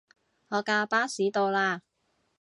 我架巴士到喇